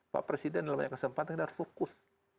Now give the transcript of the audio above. pak presiden dalam banyak kesempatan harus fokus